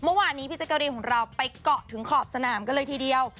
เมื่อวานนี้พี่จักรีนของเราไปเกาะถึงขอบสนามกันเลยทีเดียว